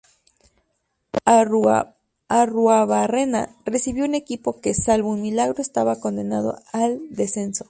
Arruabarrena recibió un equipo que, salvo un milagro, estaba condenado al descenso.